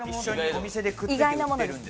意外なものです。